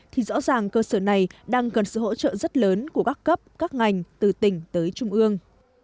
thì rõ ràng cơ sở này đang cần sự hỗ trợ rất lớn của các cấp các ngành từ tỉnh tới trung ương